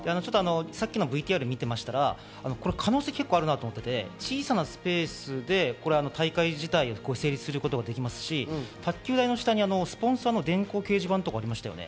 ＶＴＲを見ていましたら可能性が結構あるなと思って、小さなスペースで大会自体を成立することができますし、卓球台の下にスポンサーの電光掲示板とかありましたね。